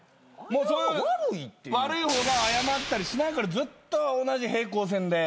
悪い方が謝ったりしないからずっと同じ平行線で。